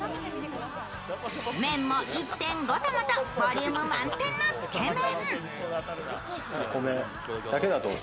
麺も１．５玉とボリューム満点のつけ麺。